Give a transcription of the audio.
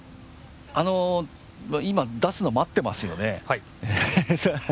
今、出すの待ってますよね。